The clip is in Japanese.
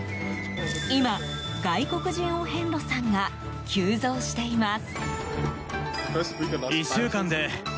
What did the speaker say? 今、外国人お遍路さんが急増しています。